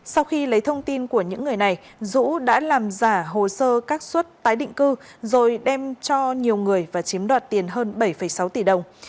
sau khi lấy thông tin của những người này dũ đã làm giả hồ sơ các suất tái định cư rồi đem cho nhiều người và chiếm đoạt tiền hơn bảy sáu tỷ đồng